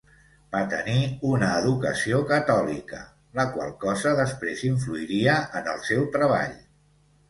Va tenir una educació catòlica, la qual cosa després influiria en el seu treball.